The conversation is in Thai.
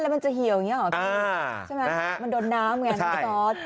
แล้วมันจะเหี่ยวอย่างเงี้ยอ๋อใช่ไหมมันโดนน้ำเหมือนกับซอส